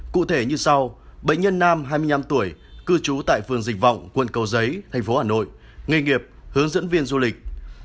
cụ thể như sau bệnh nhân nam hai mươi năm tuổi cư trú tại phường dịch vọng quận cầu giấy thành phố hà nội nghề nghiệp hướng dẫn viên du lịch